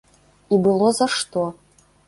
І было за што.